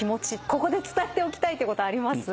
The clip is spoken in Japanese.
ここで伝えておきたいってことあります？